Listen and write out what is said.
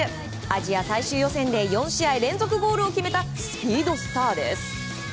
アジア最終予選で４試合連続ゴールを決めたスピードスターです。